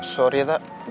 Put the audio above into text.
sorry ya tak